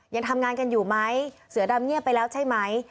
ยังทำงานกันอยู่ไหมเสือดำเงียบไปแล้วใช่ไหม